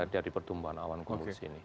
dari pertumbuhan awan komunis ini